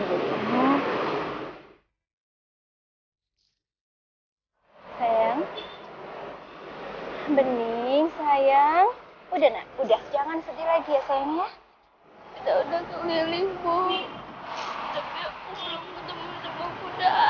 terima kasih saya kagak merasakan apa aja aja tadi untuk lo